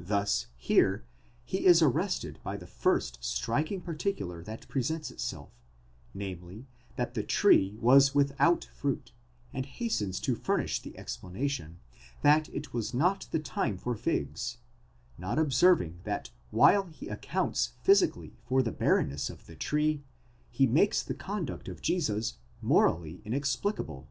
Thus, here, he is arrested by the first striking particular that presents itself, namely, that the tree was without fruit, and hastens to furnish the explana tion, that it was not the time for figs, not observing that while he accounts physically for the barrenness of the tree, he makes the conduct of Jesus morally inexplicable.